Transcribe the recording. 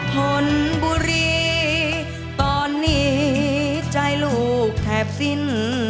ผลบุรีตอนนี้ใจลูกแทบสิ้น